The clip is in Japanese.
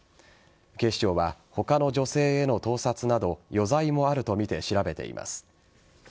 警視庁は他の女性への盗撮など余罪もあるとみて調べています。